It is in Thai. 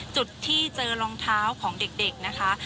จุดที่เจอรองเท้าของเด็กนะคะ